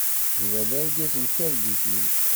Yuba d argaz n targit-iw.